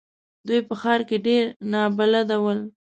دوی په ښار کې ډېر نابلده ول.